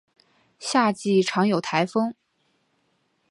夏季常有台风。